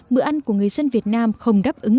bữa ăn của người dân việt nam không đáp ứng